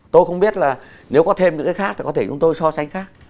tôi không biết là nếu có thêm những cái khác thì có thể chúng tôi so sánh khác